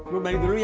gue balik dulu ya